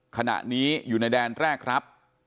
ขณะนี้อยู่ในแดนแรกครับ